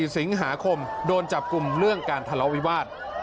๔สิงหาคมโดนจับกลุ่มเรื่องการทะเลาวิวาส